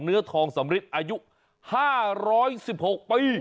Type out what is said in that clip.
เนื้อทองสำริทอายุ๕๑๖ปี